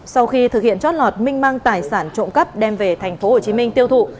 sau khi thực hiện trót lọt minh mang tài sản trộm cắt đem về tp hcm tiêu thụ